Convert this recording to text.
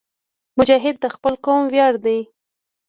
مجاهد د خپل قوم ویاړ دی.